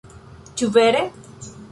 Ĉu vere?!